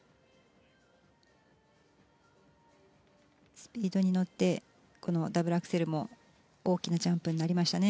スピードに乗ってこのダブルアクセルも大きなジャンプになりましたね。